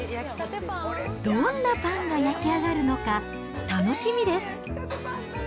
どんなパンが焼き上がるのか、楽しみです。